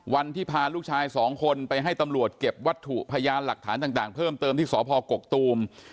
วันที่พาลูกชายสองคนไปให้ตำรวจเก็บวัตถุพยานหลักฐานต่างเพิ่มเติมที่สพกกตูม